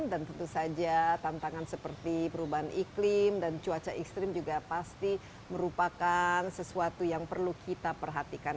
dan tentu saja tantangan seperti perubahan iklim dan cuaca ekstrim juga pasti merupakan sesuatu yang perlu kita perhatikan